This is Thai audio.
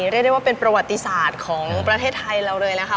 เรียกได้ว่าเป็นประวัติศาสตร์ของประเทศไทยเราเลยนะคะ